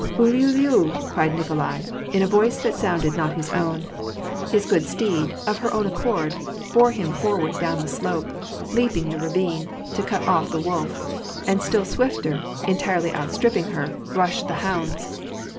*^ Uliuliu !" cried Nikolai, in a voice that sounded not his own ; his good steed, of her own accord, bore him forward down the slope, leaping the ravine, to cut off the wolf; and still swifter, entirely outstripping her, rushed the hounds.